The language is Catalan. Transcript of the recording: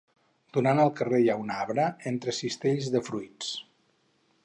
Donant al carrer hi ha un arbre entre cistells de fruits.